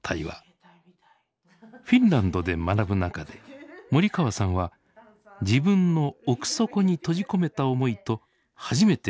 フィンランドで学ぶ中で森川さんは自分の奥底に閉じ込めた思いと初めて向き合うことになりました。